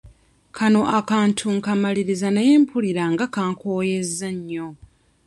Kano akantu nkamalirizza naye mpulira nga kankooyezza nnyo.